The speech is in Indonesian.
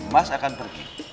mas akan pergi